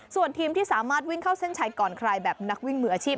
ส่วนทีมที่สามารถวิ่งเข้าเส้นชัยก่อนใครแบบนักวิ่งมืออาชีพ